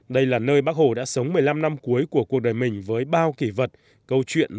đây là nơi bác hồ đã sống một mươi năm năm cuối của cuộc đời mình với bao kỷ vật câu chuyện